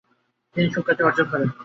তিনি সুখ্যাতি অর্জন করেন।